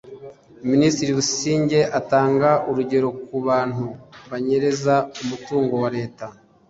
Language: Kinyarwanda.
Minisitiri Busingye atanga urugero ku bantu banyereza umutungo wa Leta